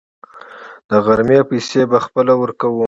د غرمې پیسې به خپله ورکوو.